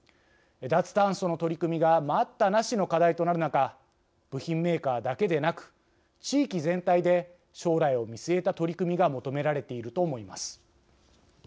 脱炭素の取り組みが待ったなしの課題となる中部品メーカーだけでなく地域全体で将来を見据えた取り組みが求められていると思います。